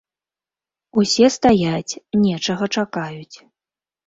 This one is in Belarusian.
Усе стаяць, нечага чакаюць.